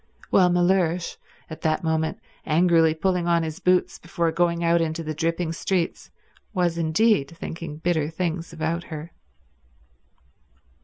While Mellersh, at that moment angrily pulling on his boots before going out into the dripping streets, was indeed thinking bitter things about her.